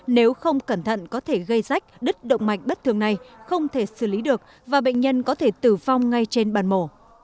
nếu không cẩn thận có thể gây rách đứt động mạch bất thường này không thể xử lý được và bệnh nhân có thể tử vong ngay trên bàn mổ